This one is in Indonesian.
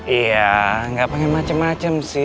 iya gak pengen macem macem sih